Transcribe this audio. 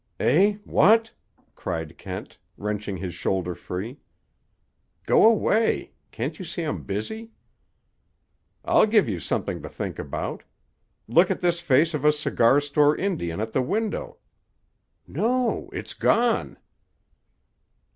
"Eh? What?" cried Kent, wrenching his shoulder free. "Go away! Can't you see I'm busy?" "I'll give you something to think about. Look at this face of a cigar store Indian at the window. No! It's gone!"